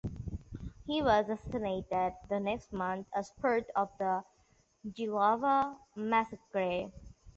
He was assassinated the next month as part of the Jilava massacre.